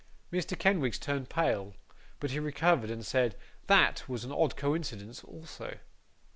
Mr. Kenwigs turned pale, but he recovered, and said, THAT was an odd coincidence also.